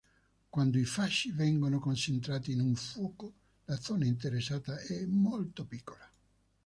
Quando i fasci vengono concentrati in un fuoco, la zona interessata è molto piccola.